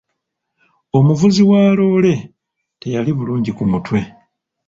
Omuvuzi wa loore teyali bulungi ku mutwe.